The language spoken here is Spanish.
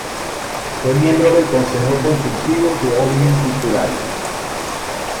Fue miembro del consejo consultivo de Òmnium Cultural.